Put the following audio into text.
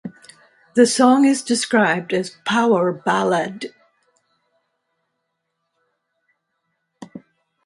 The song is described as "power ballad".